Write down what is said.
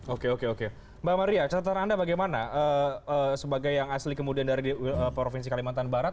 oke oke mbak maria catatan anda bagaimana sebagai yang asli kemudian dari provinsi kalimantan barat